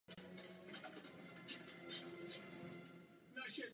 Proto vyzývám Evropskou komisi, aby jednala.